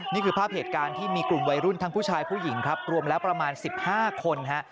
นี่คือภาพเหตุการณ์ที่มีกลุ่มวัยรุ่นทั้งผู้ชายผู้หญิงครับรวมแล้วประมาณ๑๕คนฮะ